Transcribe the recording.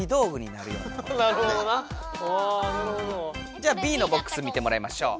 じゃあＢのボックス見てもらいましょう。